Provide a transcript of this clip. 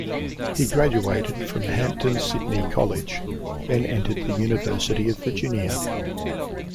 He graduated from Hampden-Sydney College, then entered the University of Virginia.